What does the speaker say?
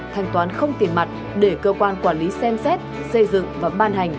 thanh toán không tiền mặt để cơ quan quản lý xem xét xây dựng và ban hành